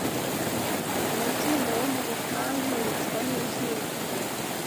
Umukindo wo mu butayu wicwa n’izuba